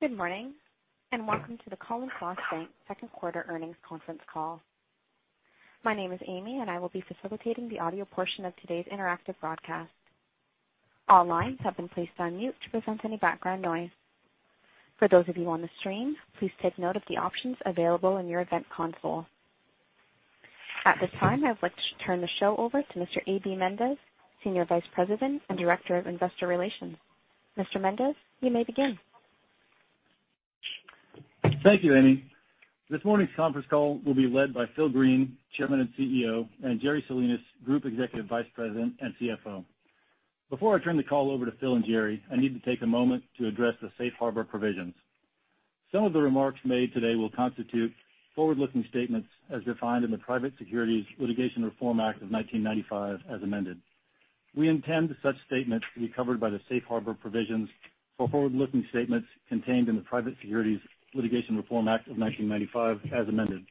Good morning, welcome to the Cullen/Frost Bank second quarter earnings conference call. My name is Amy, I will be facilitating the audio portion of today's interactive broadcast. All lines have been placed on mute to prevent any background noise. For those of you on the stream, please take note of the options available in your event console. At this time, I would like to turn the show over to Mr. A.B. Mendez, Senior Vice President and Director of Investor Relations. Mr. Mendez, you may begin. Thank you, Amy. This morning's conference call will be led by Phil Green, Chairman and CEO, and Jerry Salinas, Group Executive Vice President and CFO. Before I turn the call over to Phil and Jerry, I need to take a moment to address the safe harbor provisions. Some of the remarks made today will constitute forward-looking statements as defined in the Private Securities Litigation Reform Act of 1995 as amended. We intend for such statements to be covered by the safe harbor provisions for forward-looking statements contained in the Private Securities Litigation Reform Act of 1995 as amended.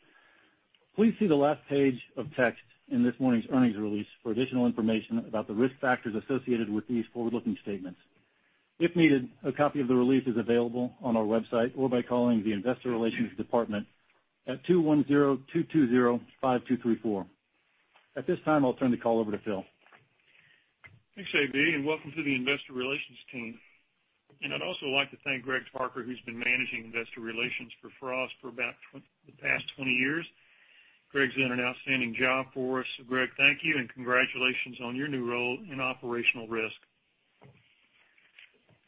Please see the last page of text in this morning's earnings release for additional information about the risk factors associated with these forward-looking statements. If needed, a copy of the release is available on our website or by calling the investor relations department at 210-220-5234. At this time, I'll turn the call over to Phil. Thanks, A.B., welcome to the investor relations team. I'd also like to thank Greg Parker, who's been managing investor relations for Frost for about the past 20 years. Greg's done an outstanding job for us. Greg, thank you, and congratulations on your new role in operational risk.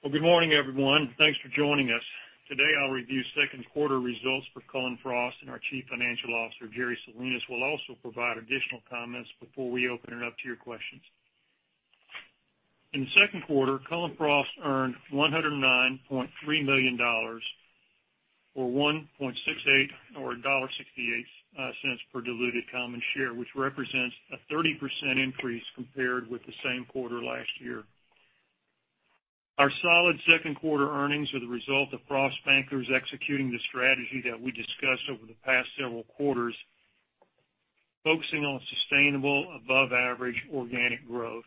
Good morning, everyone. Thanks for joining us. Today, I'll review second quarter results for Cullen/Frost, our chief financial officer, Jerry Salinas, will also provide additional comments before we open it up to your questions. In the second quarter, Cullen/Frost earned $109.3 million, or $1.68 per diluted common share, which represents a 30% increase compared with the same quarter last year. Our solid second quarter earnings are the result of Frost bankers executing the strategy that we discussed over the past several quarters, focusing on sustainable, above-average organic growth.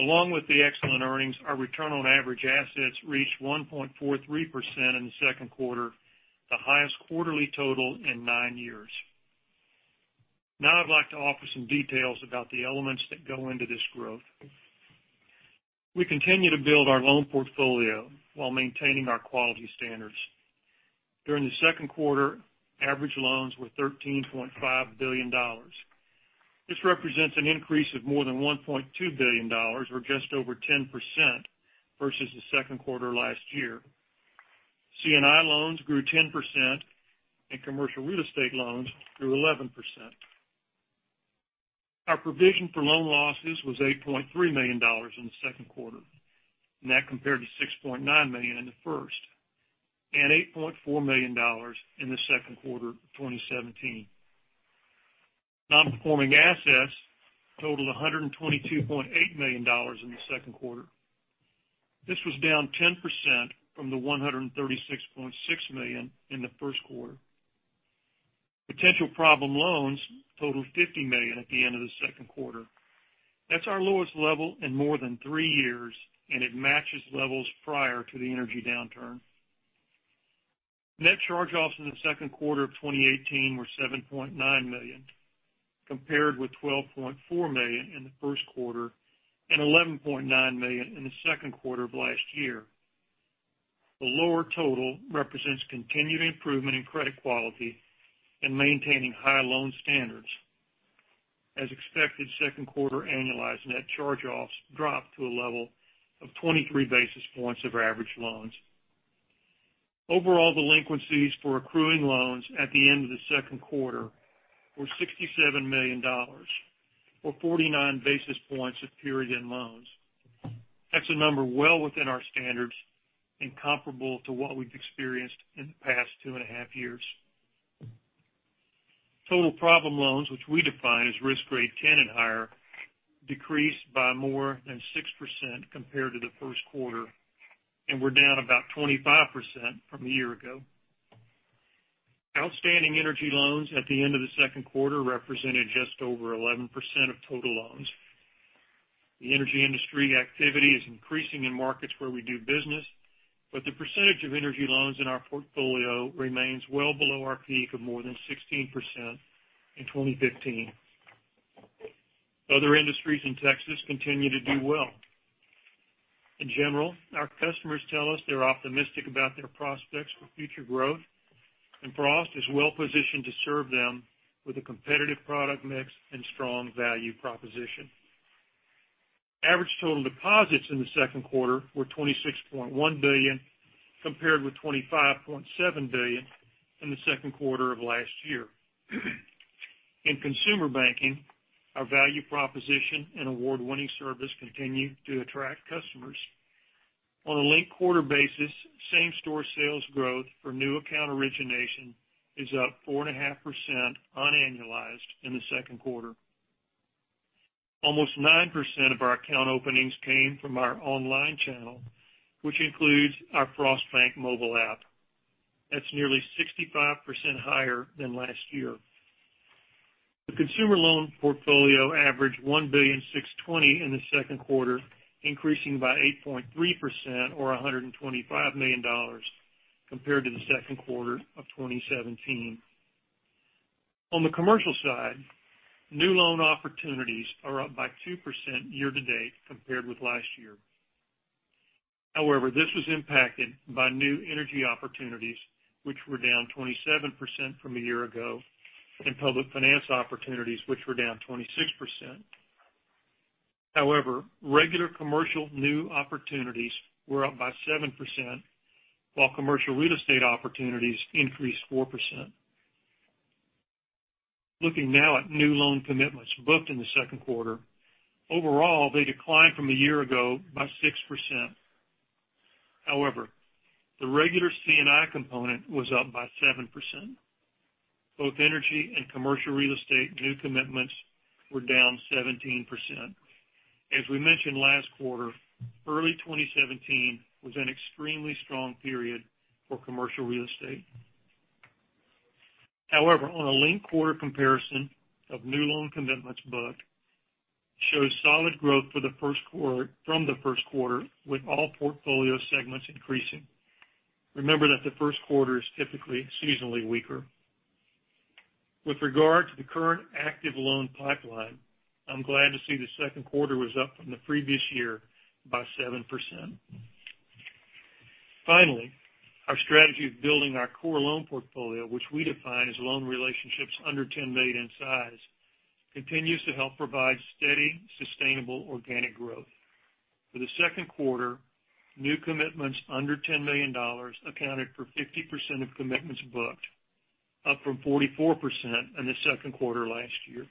Along with the excellent earnings, our return on average assets reached 1.43% in the second quarter, the highest quarterly total in nine years. I'd like to offer some details about the elements that go into this growth. We continue to build our loan portfolio while maintaining our quality standards. During the second quarter, average loans were $13.5 billion. This represents an increase of more than $1.2 billion, or just over 10%, versus the second quarter last year. C&I loans grew 10%, commercial real estate loans grew 11%. Our provision for loan losses was $8.3 million in the second quarter, that compared to $6.9 million in the first, and $8.4 million in the second quarter of 2017. Non-performing assets totaled $122.8 million in the second quarter. This was down 10% from the $136.6 million in the first quarter. Potential problem loans totaled $50 million at the end of the second quarter. That's our lowest level in more than three years, and it matches levels prior to the energy downturn. Net charge-offs in the second quarter of 2018 were $7.9 million, compared with $12.4 million in the first quarter and $11.9 million in the second quarter of last year. The lower total represents continued improvement in credit quality and maintaining high loan standards. As expected, second quarter annualized net charge-offs dropped to a level of 23 basis points over average loans. Overall delinquencies for accruing loans at the end of the second quarter were $67 million, or 49 basis points of period end loans. That's a number well within our standards and comparable to what we've experienced in the past two and a half years. Total problem loans, which we define as risk grade 10 and higher, decreased by more than 6% compared to the first quarter, we're down about 25% from a year ago. Outstanding energy loans at the end of the second quarter represented just over 11% of total loans. The energy industry activity is increasing in markets where we do business, the percentage of energy loans in our portfolio remains well below our peak of more than 16% in 2015. Other industries in Texas continue to do well. In general, our customers tell us they're optimistic about their prospects for future growth, Frost is well-positioned to serve them with a competitive product mix and strong value proposition. Average total deposits in the second quarter were $26.1 billion, compared with $25.7 billion in the second quarter of last year. In consumer banking, our value proposition and award-winning service continue to attract customers. On a linked quarter basis, same-store sales growth for new account origination is up 4.5% unannualized in the second quarter. Almost nine percent of our account openings came from our online channel, which includes our Frost Bank mobile app. That's nearly 65% higher than last year. The consumer loan portfolio averaged $1.62 billion in the second quarter, increasing by 8.3%, or $125 million compared to the second quarter of 2017. This was impacted by new energy opportunities, which were down 27% from a year ago, and public finance opportunities, which were down 26%. Regular commercial new opportunities were up by 7%, while commercial real estate opportunities increased 4%. Looking now at new loan commitments booked in the second quarter, overall, they declined from a year ago by 6%. The regular C&I component was up by 7%. Both energy and commercial real estate new commitments were down 17%. As we mentioned last quarter, early 2017 was an extremely strong period for commercial real estate. On a linked quarter comparison of new loan commitments booked, shows solid growth from the first quarter with all portfolio segments increasing. Remember that the first quarter is typically seasonally weaker. With regard to the current active loan pipeline, I'm glad to see the second quarter was up from the previous year by 7%. Our strategy of building our core loan portfolio, which we define as loan relationships under $10 million in size, continues to help provide steady, sustainable organic growth. For the second quarter, new commitments under $10 million accounted for 50% of commitments booked, up from 44% in the second quarter last year.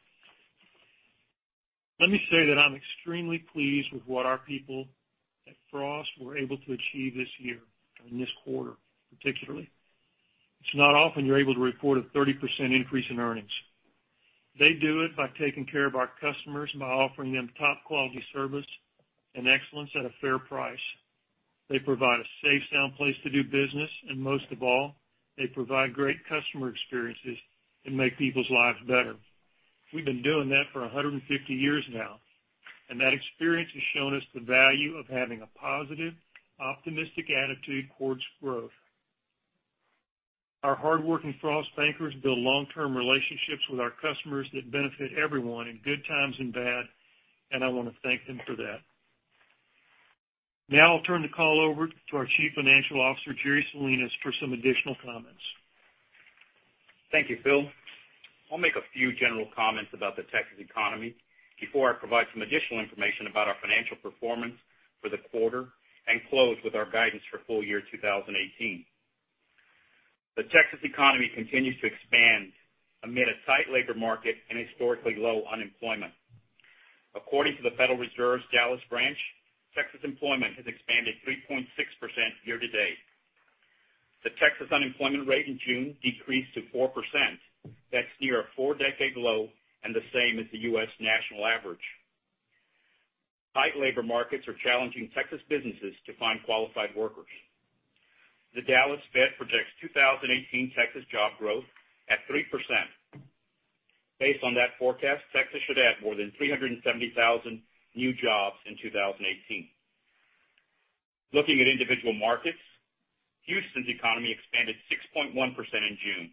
Let me say that I'm extremely pleased with what our people at Frost were able to achieve this year, and this quarter particularly. It's not often you're able to report a 30% increase in earnings. They do it by taking care of our customers and by offering them top quality service and excellence at a fair price. They provide a safe, sound place to do business, and most of all, they provide great customer experiences and make people's lives better. We've been doing that for 150 years now, and that experience has shown us the value of having a positive, optimistic attitude towards growth. Our hardworking Frost bankers build long-term relationships with our customers that benefit everyone in good times and bad, and I want to thank them for that. I'll turn the call over to our Chief Financial Officer, Jerry Salinas, for some additional comments. Thank you, Phil. I'll make a few general comments about the Texas economy before I provide some additional information about our financial performance for the quarter and close with our guidance for full year 2018. The Texas economy continues to expand amid a tight labor market and historically low unemployment. According to the Federal Reserve's Dallas branch, Texas employment has expanded 3.6% year to date. The Texas unemployment rate in June decreased to 4%. That's near a four-decade low and the same as the U.S. national average. Tight labor markets are challenging Texas businesses to find qualified workers. The Dallas Fed projects 2018 Texas job growth at 3%. Based on that forecast, Texas should add more than 370,000 new jobs in 2018. Looking at individual markets, Houston's economy expanded 6.1% in June,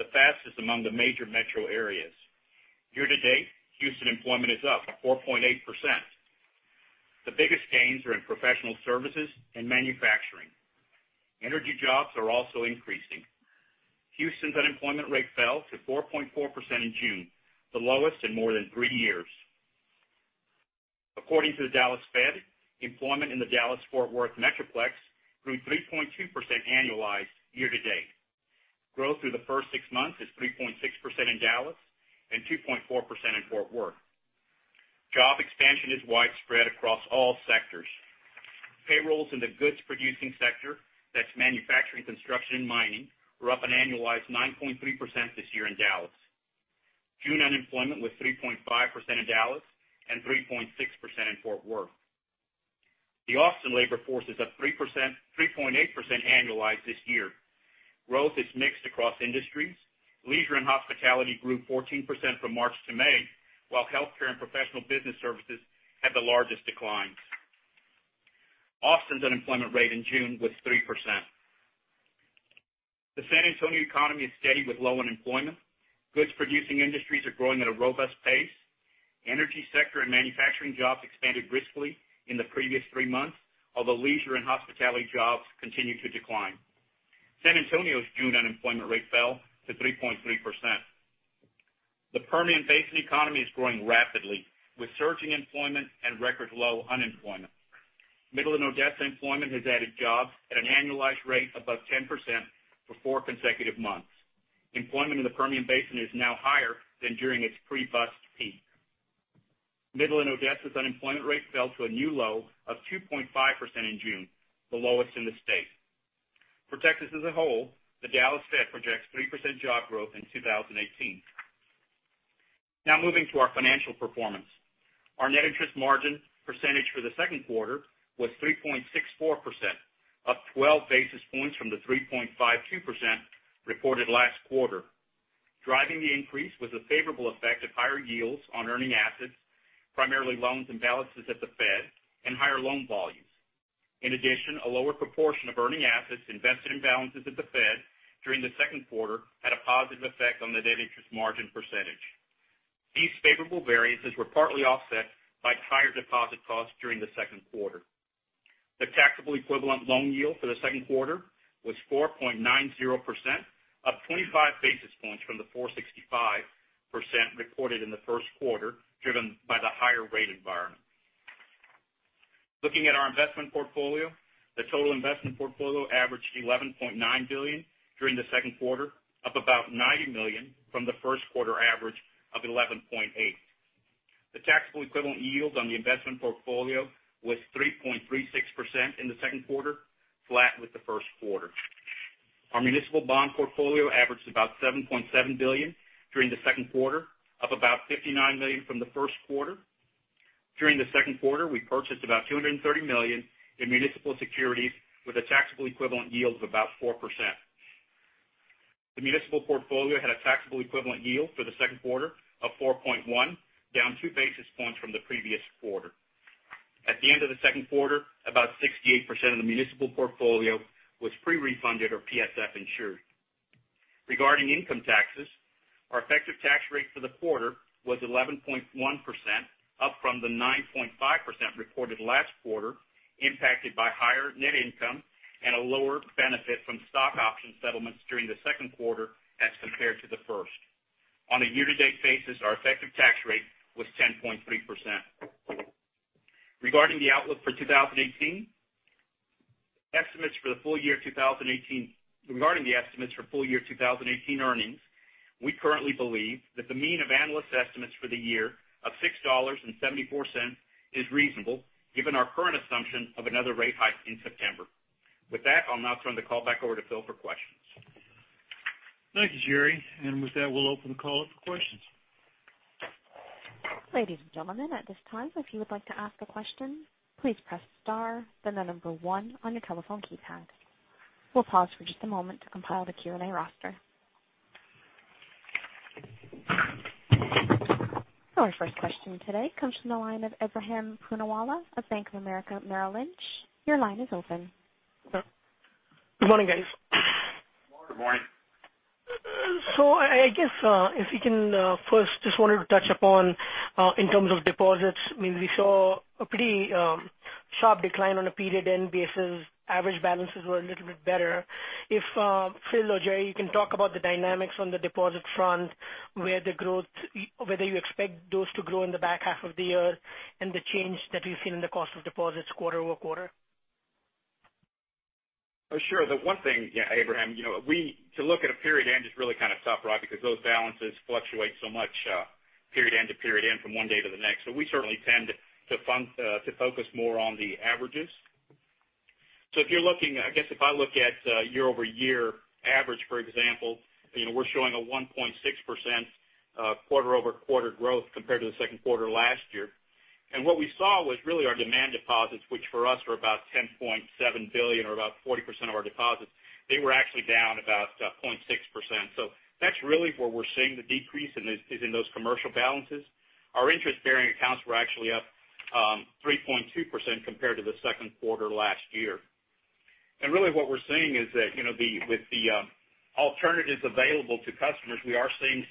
the fastest among the major metro areas. Year to date, Houston employment is up 4.8%. The biggest gains are in professional services and manufacturing. Energy jobs are also increasing. Houston's unemployment rate fell to 4.4% in June, the lowest in more than three years. According to the Dallas Fed, employment in the Dallas-Fort Worth metroplex grew 3.2% annualized year to date. Growth through the first six months is 3.6% in Dallas and 2.4% in Fort Worth. Job expansion is widespread across all sectors. Payrolls in the goods producing sector, that's manufacturing, construction, and mining, were up an annualized 9.3% this year in Dallas. June unemployment was 3.5% in Dallas and 3.6% in Fort Worth. The Austin labor force is up 3.8% annualized this year. Growth is mixed across industries. Leisure and hospitality grew 14% from March to May, while healthcare and professional business services had the largest declines. Austin's unemployment rate in June was 3%. The San Antonio economy is steady with low unemployment. Goods producing industries are growing at a robust pace. Energy sector and manufacturing jobs expanded briskly in the previous three months, although leisure and hospitality jobs continued to decline. San Antonio's June unemployment rate fell to 3.3%. The Permian Basin economy is growing rapidly, with surging employment and record low unemployment. Midland-Odessa employment has added jobs at an annualized rate above 10% for four consecutive months. Employment in the Permian Basin is now higher than during its pre-bust peak. Midland-Odessa's unemployment rate fell to a new low of 2.5% in June, the lowest in the state. For Texas as a whole, the Dallas Fed projects 3% job growth in 2018. Now moving to our financial performance. Our net interest margin percentage for the second quarter was 3.64%, up 12 basis points from the 3.52% reported last quarter. Driving the increase was the favorable effect of higher yields on earning assets, primarily loans and balances at the Fed, and higher loan volumes. In addition, a lower proportion of earning assets invested in balances at the Fed during the second quarter had a positive effect on the net interest margin percentage. These favorable variances were partly offset by higher deposit costs during the second quarter. The taxable equivalent loan yield for the second quarter was 4.90%, up 25 basis points from the 4.65% reported in the first quarter, driven by the higher rate environment. Looking at our investment portfolio, the total investment portfolio averaged $11.9 billion during the second quarter, up about $90 million from the first quarter average of $11.8. The taxable equivalent yields on the investment portfolio was 3.36% in the second quarter, flat with the first quarter. Our municipal bond portfolio averaged about $7.7 billion during the second quarter, up about $59 million from the first quarter. During the second quarter, we purchased about $230 million in municipal securities with a taxable equivalent yield of about 4%. The municipal portfolio had a taxable equivalent yield for the second quarter of 4.1%, down two basis points from the previous quarter. At the end of the second quarter, about 68% of the municipal portfolio was pre-refunded or PSF insured. Regarding income taxes, our effective tax rate for the quarter was 11.1%, up from the 9.5% reported last quarter, impacted by higher net income and a lower benefit from stock option settlements during the second quarter as compared to the first. On a year-to-date basis, our effective tax rate was 10.3%. Regarding the outlook for 2018, regarding the estimates for full year 2018 earnings, we currently believe that the mean of analyst estimates for the year of $6.74 is reasonable given our current assumption of another rate hike in September. With that, I'll now turn the call back over to Phil for questions. Thank you, Jerry. With that, we'll open the call up for questions. Ladies and gentlemen, at this time, if you would like to ask a question, please press star, then the number one on your telephone keypad. We'll pause for just a moment to compile the Q&A roster. Our first question today comes from the line of Ebrahim Poonawala of Bank of America Merrill Lynch. Your line is open. Good morning, guys. Good morning. I guess if you can first just wanted to touch upon in terms of deposits, we saw a pretty sharp decline on a period end basis. Average balances were a little bit better. If Phil or Jerry, you can talk about the dynamics on the deposit front, whether you expect those to grow in the back half of the year and the change that you're seeing in the cost of deposits quarter-over-quarter. Sure. The one thing, Ebrahim, to look at a period end is really kind of tough because those balances fluctuate so much period end to period end from one day to the next. We certainly tend to focus more on the averages. I guess if I look at year-over-year average, for example, we're showing a 1.6% quarter-over-quarter growth compared to the second quarter last year. What we saw was really our demand deposits, which for us were about $10.7 billion or about 40% of our deposits. They were actually down about 0.6%. That's really where we're seeing the decrease is in those commercial balances. Our interest bearing accounts were actually up 3.2% compared to the second quarter last year. Really what we're seeing is that with the alternatives available to customers, we are seeing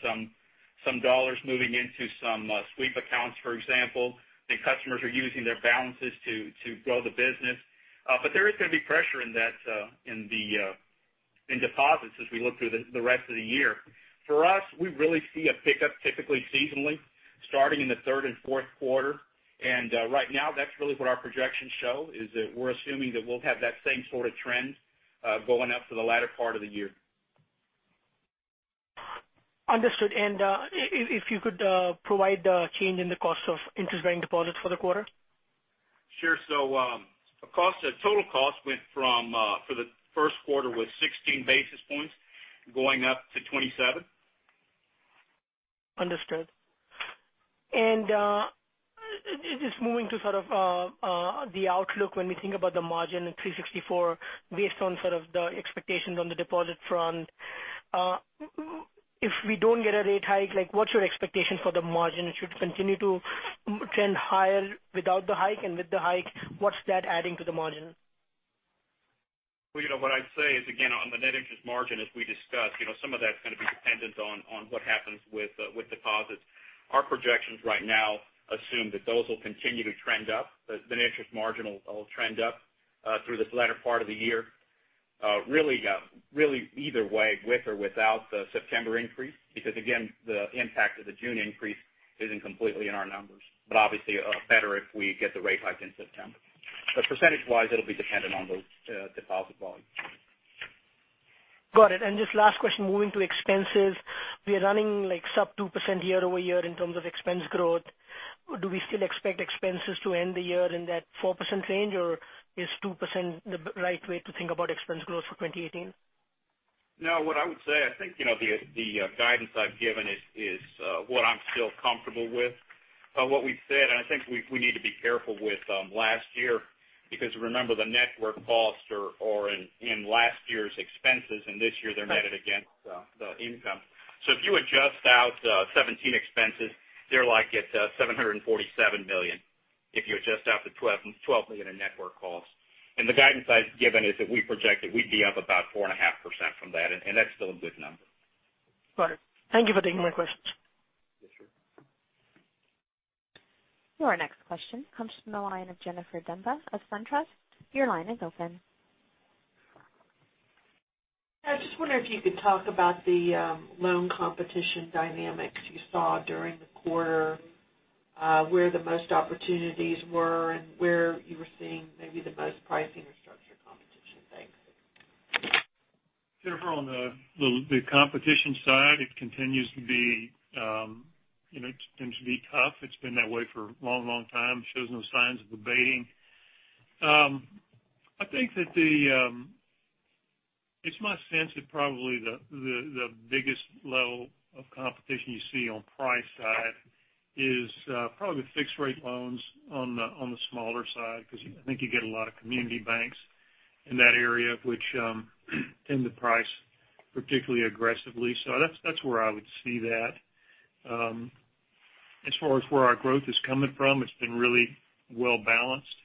some dollars moving into some sweep accounts, for example, and customers are using their balances to grow the business. There is going to be pressure in deposits as we look through the rest of the year. For us, we really see a pickup typically seasonally starting in the third and fourth quarter. Right now that's really what our projections show is that we're assuming that we'll have that same sort of trend going up for the latter part of the year. Understood. If you could provide the change in the cost of interest bearing deposits for the quarter. Sure. Total cost for the first quarter was 16 basis points going up to 27. Understood. Just moving to sort of the outlook when we think about the margin in 364 based on sort of the expectations on the deposit front. If we don't get a rate hike, what's your expectation for the margin? It should continue to trend higher without the hike and with the hike, what's that adding to the margin? What I'd say is again on the net interest margin as we discussed, some of that's going to be dependent on what happens with deposits. Our projections right now assume that those will continue to trend up. The net interest margin will trend up through this latter part of the year really either way with or without the September increase because again the impact of the June increase isn't completely in our numbers but obviously better if we get the rate hike in September. Percentage wise it'll be dependent on those deposit volumes. Got it. Just last question moving to expenses. We are running like sub 2% year-over-year in terms of expense growth. Do we still expect expenses to end the year in that 4% range or is 2% the right way to think about expense growth for 2018? No, what I would say, I think, the guidance I've given is what I'm still comfortable with. What we've said, and I think we need to be careful with last year, because remember, the network costs are in last year's expenses, and this year they're netted against the income. If you adjust out the 2017 expenses, they're like at $747 million. If you adjust out the $12 million in network cost. The guidance I've given is that we projected we'd be up about 4.5% from that, and that's still a good number. Got it. Thank you for taking my questions. Yes, sure. Your next question comes from the line of Jennifer Demba of SunTrust. Your line is open. I was just wondering if you could talk about the loan competition dynamics you saw during the quarter, where the most opportunities were, and where you were seeing maybe the most pricing or structure competition. Thanks. Jennifer, on the competition side, it continues to be tough. It's been that way for a long, long time. Shows no signs of abating. I think that it's my sense that probably the biggest level of competition you see on price side is probably fixed rate loans on the smaller side, because I think you get a lot of community banks in that area which tend to price particularly aggressively. That's where I would see that. As far as where our growth is coming from, it's been really well-balanced.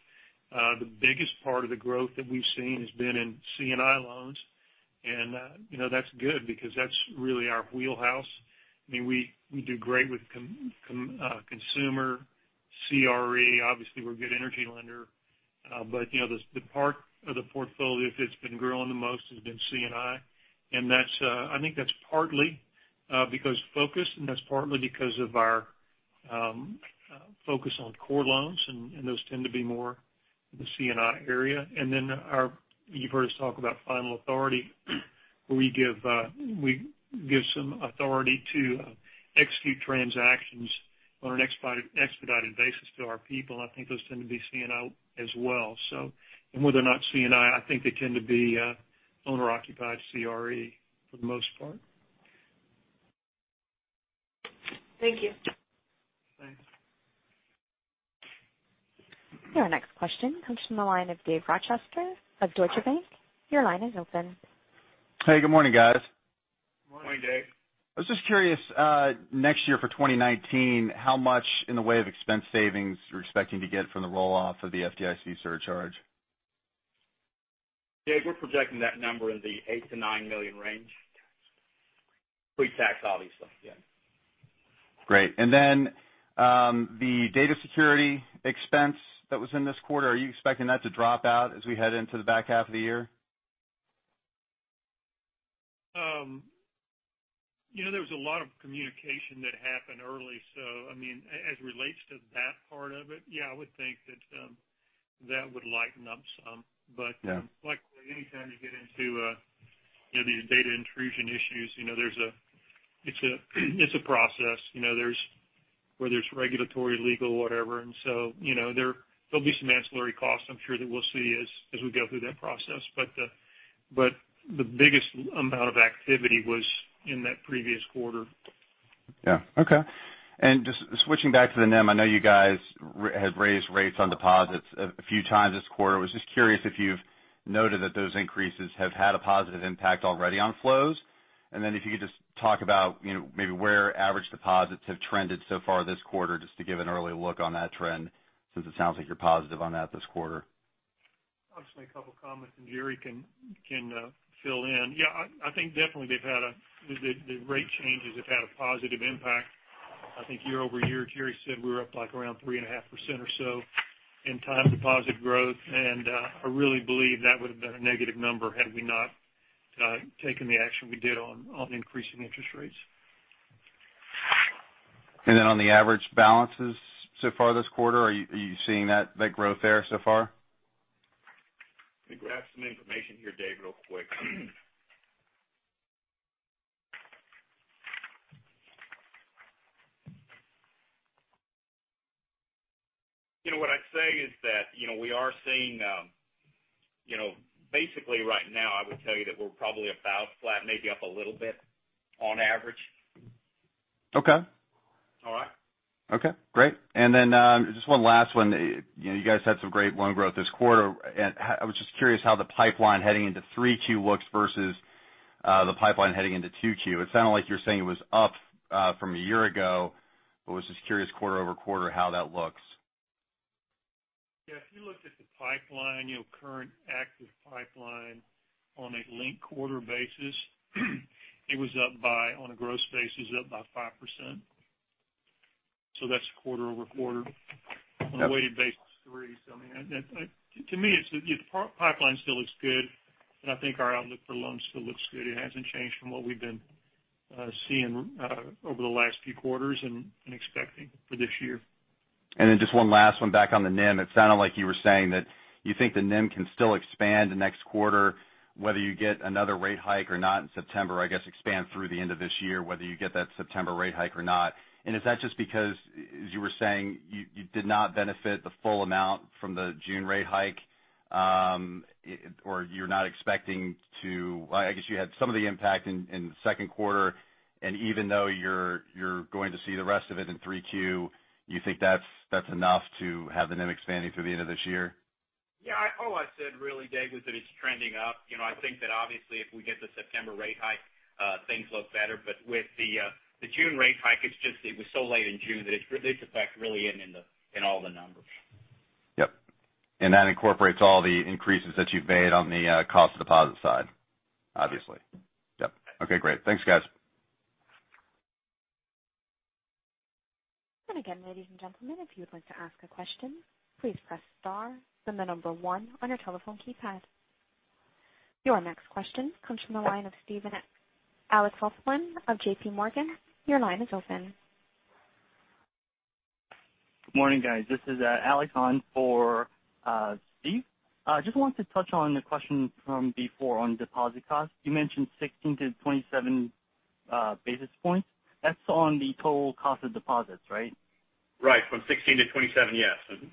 The biggest part of the growth that we've seen has been in C&I loans, and that's good because that's really our wheelhouse. We do great with consumer, CRE, obviously, we're a good energy lender. The part of the portfolio that's been growing the most has been C&I, and I think that's partly because focus, and that's partly because of our focus on core loans, and those tend to be more in the C&I area. You've heard us talk about final authority, where we give some authority to execute transactions on an expedited basis to our people, and I think those tend to be C&I as well. Whether or not C&I think they tend to be owner-occupied CRE for the most part. Thank you. Thanks. Your next question comes from the line of David Rochester of Deutsche Bank. Your line is open. Hey, good morning, guys. Morning. Morning, Dave. I was just curious, next year for 2019, how much in the way of expense savings are you expecting to get from the roll-off of the FDIC surcharge? Dave, we're projecting that number in the eight to nine million range. Pre-tax, obviously. Yeah. The data security expense that was in this quarter, are you expecting that to drop out as we head into the back half of the year? There was a lot of communication that happened early, as it relates to that part of it, yeah, I would think that that would lighten up some. Yeah. Like any time you get into these data intrusion issues, it's a process, where there's regulatory, legal, whatever, and so there'll be some ancillary costs, I'm sure, that we'll see as we go through that process. The biggest amount of activity was in that previous quarter. Yeah. Okay. Just switching back to the NIM, I know you guys had raised rates on deposits a few times this quarter. I was just curious if you've noted that those increases have had a positive impact already on flows. Then if you could just talk about maybe where average deposits have trended so far this quarter, just to give an early look on that trend, since it sounds like you're positive on that this quarter. I'll just make a couple comments, and Jerry can fill in. Yeah, I think definitely the rate changes have had a positive impact. I think year-over-year, Jerry said we were up like around 3.5% or so in time deposit growth, and I really believe that would've been a negative number had we not taken the action we did on increasing interest rates. Then on the average balances so far this quarter, are you seeing that growth there so far? Let me grab some information here, Dave, real quick. What I'd say is that, we are seeing, basically right now, I will tell you that we're probably about flat, maybe up a little bit on average. Okay. All right? Okay, great. Just one last one. You guys had some great loan growth this quarter, and I was just curious how the pipeline heading into 3Q looks versus the pipeline heading into 2Q. It sounded like you were saying it was up from a year ago, was just curious quarter-over-quarter how that looks. If you looked at the pipeline, current active pipeline on a linked quarter basis, it was up by, on a growth basis, up by 5%. That's quarter-over-quarter. Okay. On a weighted basis, three. To me, the pipeline still looks good, and I think our outlook for loans still looks good. It hasn't changed from what we've been seeing over the last few quarters and expecting for this year. Just one last one back on the NIM. It sounded like you were saying that you think the NIM can still expand next quarter, whether you get another rate hike or not in September, I guess expand through the end of this year, whether you get that September rate hike or not. Is that just because, as you were saying, you did not benefit the full amount from the June rate hike? I guess you had some of the impact in the second quarter, and even though you're going to see the rest of it in Q3, you think that's enough to have the NIM expanding through the end of this year? Yeah. All I said really, Dave, was that it's trending up. I think that obviously if we get the September rate hike, things look better. With the June rate hike, it was so late in June that its effect really isn't in all the numbers. Yep. That incorporates all the increases that you've made on the cost deposit side, obviously. Yep. Okay, great. Thanks, guys. Again, ladies and gentlemen, if you would like to ask a question, please press star, then the number one on your telephone keypad. Your next question comes from the line of Alex Hoffman of JPMorgan. Your line is open. Good morning, guys. This is Alex on for Steve. Just wanted to touch on the question from before on deposit costs. You mentioned 16-27 basis points. That's on the total cost of deposits, right? Right. From 16 to 27, yes. Mm-hmm.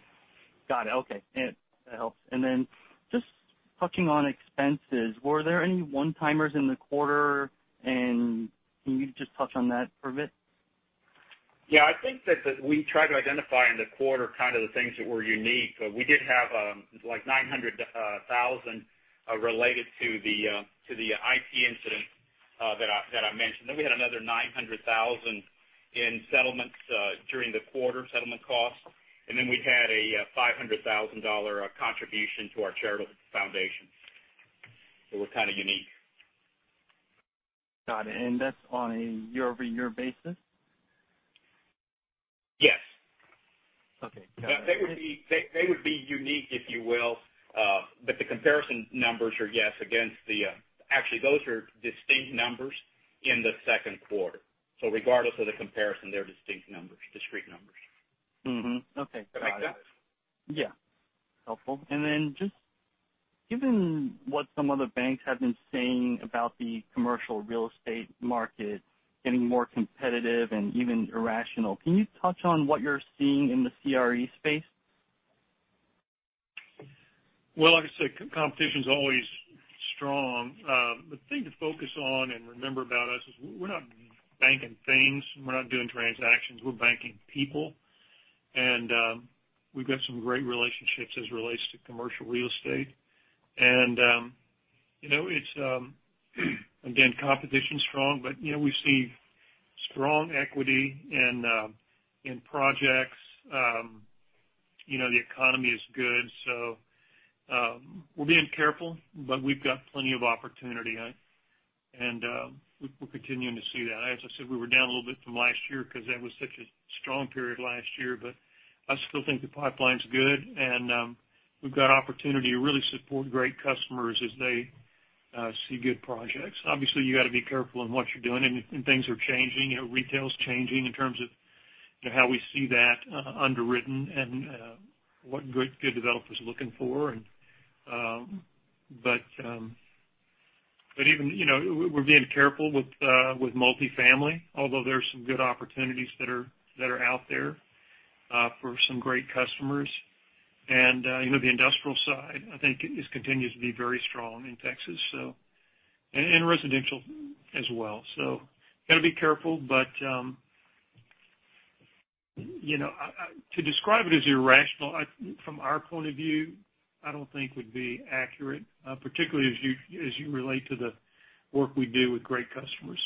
Got it. Okay. That helps. Then just touching on expenses, were there any one-timers in the quarter? Can you just touch on that for a bit? Yeah, I think that we tried to identify in the quarter kind of the things that were unique. We did have like $900,000 related to the IT incident that I mentioned. We had another $900,000 in settlements during the quarter, settlement costs. We had a $500,000 contribution to our charitable foundation. They were kind of unique. Got it. That's on a year-over-year basis? Yes. Okay. Got it. They would be unique, if you will, but the comparison numbers are, yes, against the-- actually, those are distinct numbers in the second quarter. Regardless of the comparison, they're distinct numbers, discrete numbers. Mm-hmm. Okay. Got it. Does that make sense? Yeah. Helpful. Just given what some of the banks have been saying about the commercial real estate market getting more competitive and even irrational, can you touch on what you're seeing in the CRE space? Well, like I said, competition's always strong. The thing to focus on and remember about us is we're not banking things, we're not doing transactions, we're banking people. We've got some great relationships as it relates to commercial real estate. Again, competition's strong, but we see strong equity in projects. The economy is good. We're being careful, but we've got plenty of opportunity, and we're continuing to see that. As I said, we were down a little bit from last year because that was such a strong period last year, but I still think the pipeline's good, and we've got opportunity to really support great customers as they see good projects. Obviously, you got to be careful in what you're doing, and things are changing. Retail is changing in terms of how we see that underwritten and what good developers are looking for. Even we're being careful with multifamily, although there are some good opportunities that are out there for some great customers. The industrial side, I think, continues to be very strong in Texas, and residential as well. Got to be careful, but to describe it as irrational, from our point of view, I don't think would be accurate, particularly as you relate to the work we do with great customers.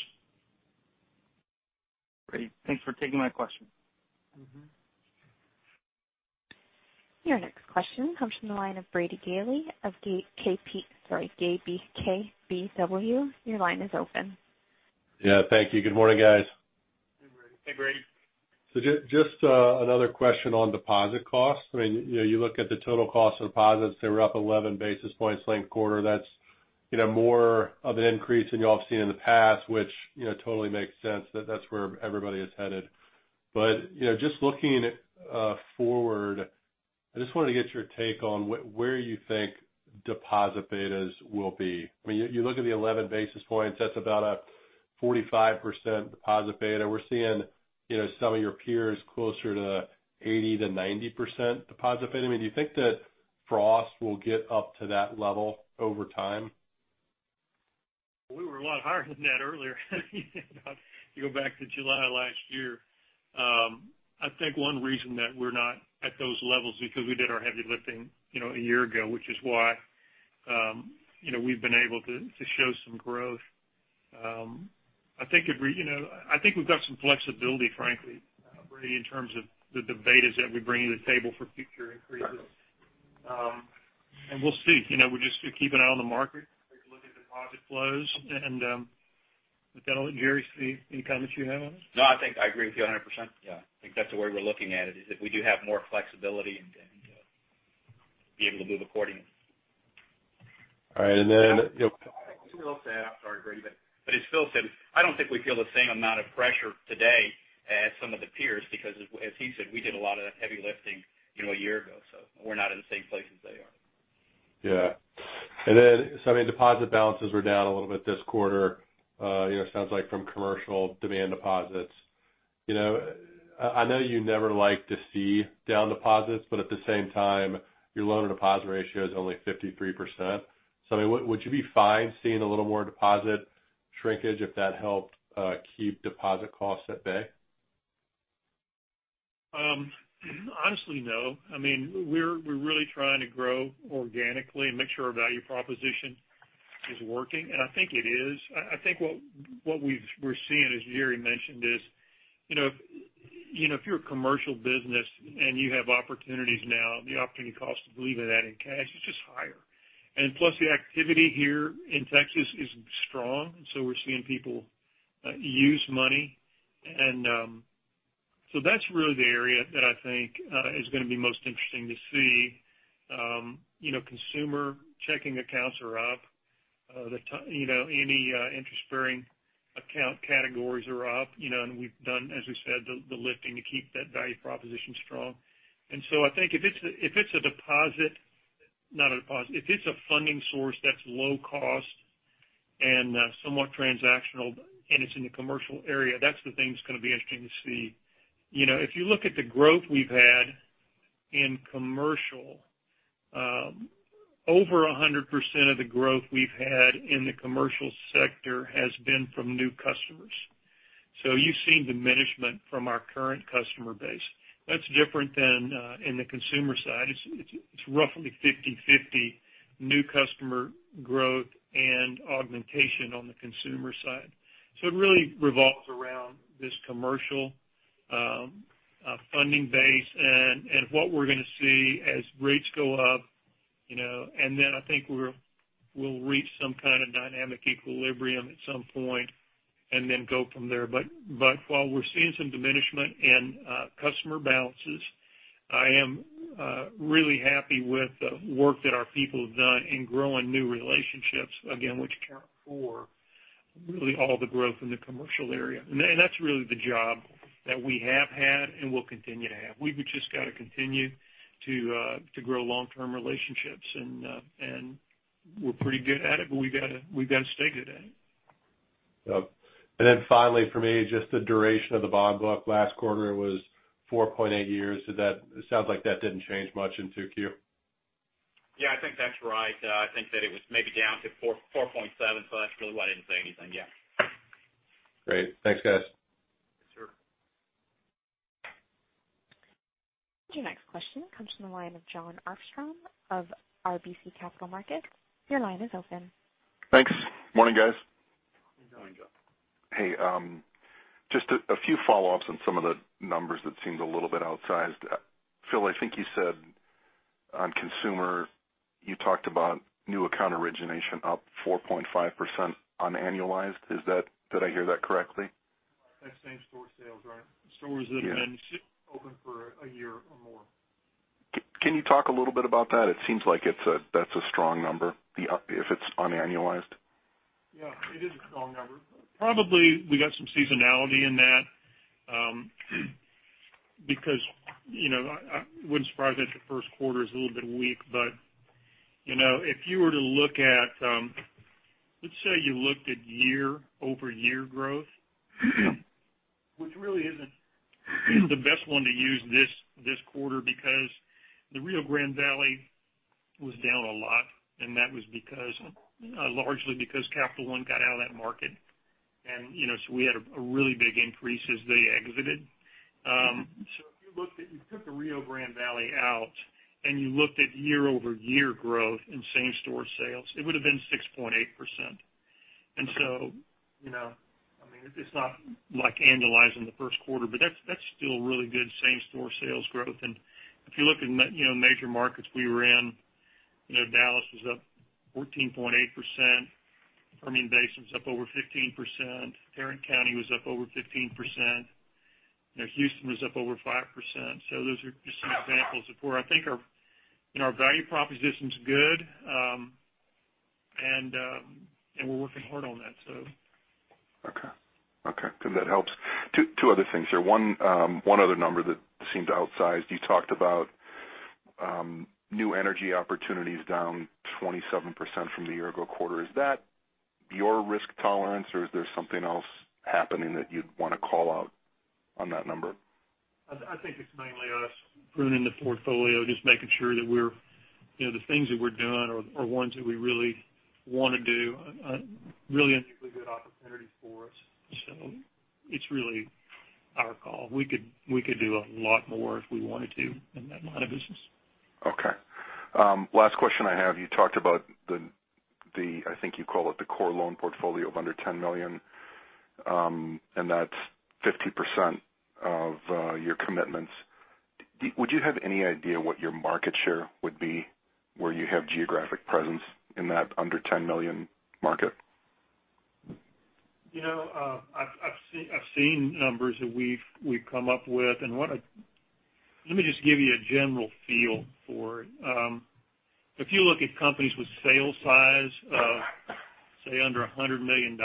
Great. Thanks for taking my question. Your next question comes from the line of Brady Gailey of the, sorry, KBW. Your line is open. Yeah, thank you. Good morning, guys. Hey, Brady. Hey, Brady. Just another question on deposit costs. You look at the total cost of deposits, they were up 11 basis points linked quarter. That's more of an increase than you all have seen in the past, which totally makes sense that that's where everybody is headed. Just looking forward, I just wanted to get your take on where you think deposit betas will be. You look at the 11 basis points, that's about a 45% deposit beta. We're seeing some of your peers closer to 80%-90% deposit beta. Do you think that Frost will get up to that level over time? We were a lot higher than that earlier if you go back to July of last year. I think one reason that we're not at those levels is because we did our heavy lifting a year ago, which is why we've been able to show some growth. I think we've got some flexibility, frankly, Brady, in terms of the betas that we bring to the table for future increases. Got it. We'll see. We're just keeping an eye on the market, taking a look at deposit flows. With that, I'll let Jerry, Steve, any comments you have on this? No, I think I agree with you 100%. Yeah. I think that's the way we're looking at it, is if we do have more flexibility and be able to move accordingly. All right. I'm sorry, Brady, as Phil said, I don't think we feel the same amount of pressure today as some of the peers because as he said, we did a lot of the heavy lifting a year ago, we're not in the same place as they are. Yeah. I mean, deposit balances were down a little bit this quarter, it sounds like from commercial demand deposits. I know you never like to see down deposits, at the same time, your loan to deposit ratio is only 53%. Would you be fine seeing a little more deposit shrinkage if that helped keep deposit costs at bay? Honestly, no. We're really trying to grow organically and make sure our value proposition is working, I think it is. I think what we're seeing, as Jerry mentioned, is if you're a commercial business and you have opportunities now, the opportunity cost of leaving that in cash is just higher. Plus, the activity here in Texas is strong, we're seeing people use money. That's really the area that I think is going to be most interesting to see. Consumer checking accounts are up. Any interest-bearing account categories are up. We've done, as we said, the lifting to keep that value proposition strong. I think if it's a funding source that's low cost and somewhat transactional, and it's in the commercial area, that's the thing that's going to be interesting to see. If you look at the growth we've had in commercial, over 100% of the growth we've had in the commercial sector has been from new customers. You've seen diminishment from our current customer base. That's different than in the consumer side. It's roughly 50/50 new customer growth and augmentation on the consumer side. It really revolves around this commercial funding base and what we're going to see as rates go up. I think we'll reach some kind of dynamic equilibrium at some point go from there. While we're seeing some diminishment in customer balances, I am really happy with the work that our people have done in growing new relationships, again, which account for really all the growth in the commercial area. That's really the job that we have had and will continue to have. We've just got to continue to grow long-term relationships, and we're pretty good at it, but we've got to stay good at it. Finally from me, just the duration of the bond book. Last quarter, it was 4.8 years. It sounds like that didn't change much in 2Q. Yeah, I think that's right. I think that it was maybe down to 4.7, but that's really why I didn't say anything. Yeah. Great. Thanks, guys. Sure. Your next question comes from the line of Jon Arfstrom of RBC Capital Markets. Your line is open. Thanks. Morning, guys. Morning, Jon. Hey, just a few follow-ups on some of the numbers that seemed a little bit outsized. Phil, I think you said on consumer, you talked about new account origination up 4.5% unannualized. Did I hear that correctly? That's same-store sales, right? Stores that have been open for a year or more. Can you talk a little bit about that? It seems like that's a strong number if it's unannualized. Yeah, it is a strong number. Probably we got some seasonality in that because I wouldn't be surprised if the first quarter is a little bit weak. If you were to look at year-over-year growth, which really isn't the best one to use this quarter because the Rio Grande Valley was down a lot, that was largely because Capital One got out of that market. We had a really big increase as they exited. If you took the Rio Grande Valley out and you looked at year-over-year growth in same-store sales, it would've been 6.8%. It's not like annualizing the first quarter, but that's still really good same-store sales growth. If you look at major markets we were in, Dallas was up 14.8%, Permian Basin was up over 15%, Tarrant County was up over 15%, Houston was up over 5%. Those are just some examples of where I think our value proposition's good, and we're working hard on that. Okay. Good, that helps. Two other things there. One other number that seemed outsized, you talked about new energy opportunities down 27% from the year-ago quarter. Is that your risk tolerance or is there something else happening that you'd want to call out on that number? I think it's mainly us pruning the portfolio, just making sure that the things that we're doing are ones that we really want to do. Really I think they're good opportunities for us. It's really our call. We could do a lot more if we wanted to in that line of business. Okay. Last question I have, you talked about the, I think you call it the core loan portfolio of under $10 million, and that's 50% of your commitments. Would you have any idea what your market share would be where you have geographic presence in that under $10 million market? I've seen numbers that we've come up with. Let me just give you a general feel for it. If you look at companies with sales size of, say, under $100 million,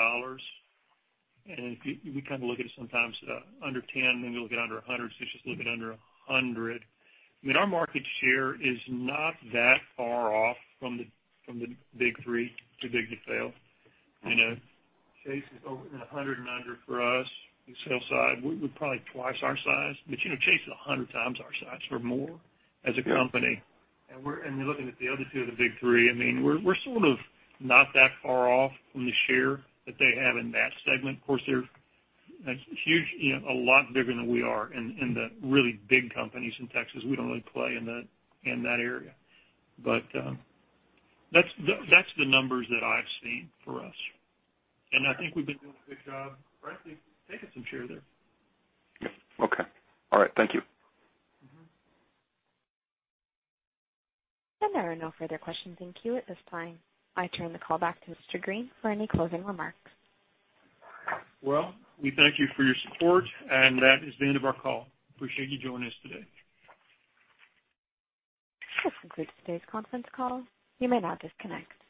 and we kind of look at it sometimes under $10 million, then we look at under $100, so it's just a little bit under $100. Our market share is not that far off from the big three to dig the sale. Chase is over and 100 and under for us. The sale side, we're probably twice our size, but Chase is 100 times our size or more as a company. You're looking at the other two of the big three, we're sort of not that far off from the share that they have in that segment. Of course, they're a lot bigger than we are in the really big companies in Texas. We don't really play in that area. That's the numbers that I've seen for us. I think we've been doing a good job frankly taking some share there. Okay. All right. Thank you. There are no further questions in queue at this time. I turn the call back to Mr. Green for any closing remarks. Well, we thank you for your support, and that is the end of our call. We appreciate you joining us today. This concludes today's conference call. You may now disconnect.